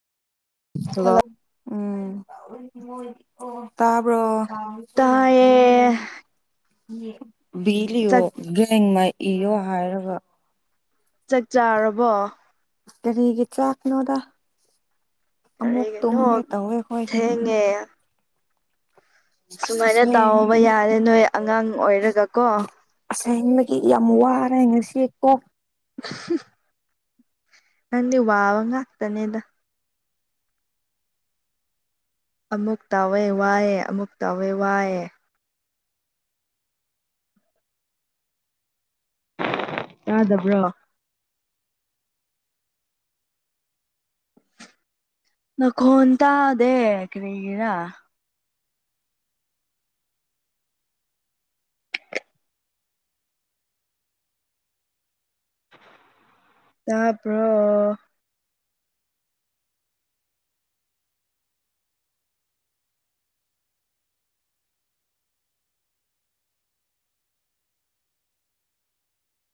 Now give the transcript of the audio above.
hello ꯎꯝ ꯇꯥꯕ꯭ꯔꯣ ꯇꯥꯏꯌꯦ ꯤꯂꯤꯣ ꯆꯥꯛ ꯕꯦꯡ ꯃ ꯏꯌꯣ ꯍꯥꯏꯔꯒ ꯆꯥꯛ ꯆꯥꯔꯕꯣ ꯀꯔꯤꯒꯤ ꯆꯥꯛꯅꯣꯗ ꯑꯃꯨꯛ ꯇꯨꯝꯒꯦ ꯇꯧꯋꯦꯈꯣꯏꯒꯤ ꯑ ꯑꯁ ꯁꯨꯃꯥꯏꯅ ꯑꯁꯦꯡ ꯇꯥꯎꯍꯧꯕ ꯌꯥꯔꯦ ꯅꯣꯏ ꯑꯉꯥꯡ ꯑꯣꯏꯔꯒ ꯀꯣ ꯑꯁꯥꯏꯕꯒꯤ ꯌꯥꯝ ꯋꯥꯔꯦ ꯍꯥꯏꯅꯁꯤꯀꯣ ꯍꯥ ꯅꯪꯗꯤ ꯋꯥꯕ ꯉꯥꯛꯇꯅꯦꯗ ꯑꯃꯨꯛ ꯇꯥꯎꯋꯦ ꯋꯥꯏꯑꯦ ꯑꯃꯨꯛ ꯇꯥꯎꯋꯦ ꯋꯥꯏꯑꯦ ꯌꯥꯥꯗꯕ꯭ꯔꯣ ꯅꯈ ꯇꯗꯦ ꯀꯔꯤꯒꯔ ꯇꯥꯄꯣ